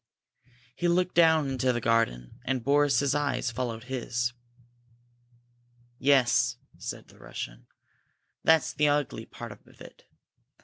He looked down into the garden, and Boris's eyes followed his. "Yes," said the Russian. "That's the ugly part of it.